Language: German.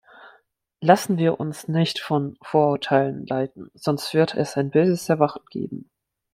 Lassen wir uns nicht von Vorurteilen leiten, sonst wird es ein böses Erwachen geben.